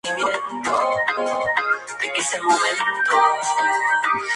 Foerster fue profesor de filología románica en Viena, Praga y Bonn.